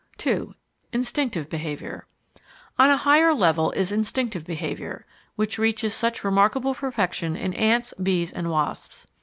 § 2 Instinctive Behaviour On a higher level is instinctive behaviour, which reaches such remarkable perfection in ants, bees, and wasps.